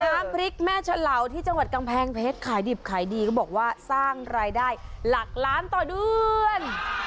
น้ำพริกแม่เฉลาที่จังหวัดกำแพงเพชรขายดิบขายดีก็บอกว่าสร้างรายได้หลักล้านต่อเดือน